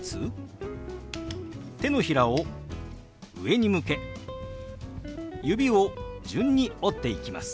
手のひらを上に向け指を順に折っていきます。